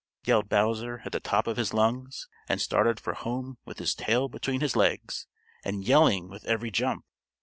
yelled Bowser at the top of his lungs, and started for home with his tail between his legs, and yelling with every jump.